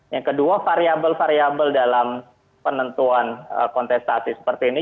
yang kedua variable variable dalam penentuan kontestasi seperti ini